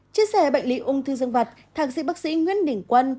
chia sẻ bệnh lý úng thư dân vật thạc sĩ bác sĩ nguyễn đỉnh quân